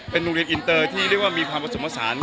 เป็นโรงเรียนอินเตอร์ที่เรียกว่ามีความผสมผสาน